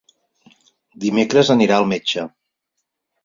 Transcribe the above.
Dimecres anirà al metge.